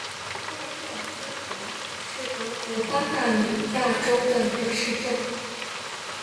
奥特尔芬格是德国巴伐利亚州的一个市镇。